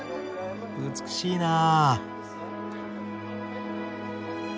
美しいなあ。